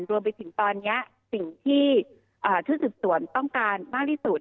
รวมไปถึงตอนนี้สิ่งที่ชุดสืบสวนต้องการมากที่สุด